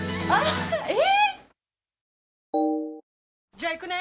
じゃあ行くね！